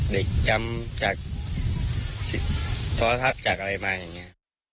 เด็กจำกับสิทธิภทัศน์จากอะไรมาแบบนี้